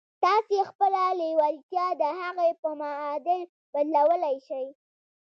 تاسې خپله لېوالتیا د هغې په معادل بدلولای شئ